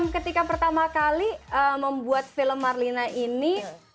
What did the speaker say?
ketika pertama kali membuat film marlina ini